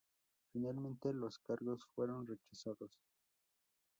Finalmente los cargos fueron rechazados.